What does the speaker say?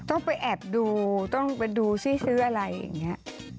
ต้องไปแอบดูต้องไปดูซิซื้ออะไรอย่างนี้